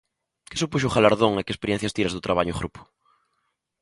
Que supuxo o galardón, e que experiencias tiras do traballo en grupo?